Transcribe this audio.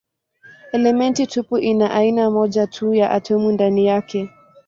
Elementi tupu ina aina moja tu ya atomi ndani yake.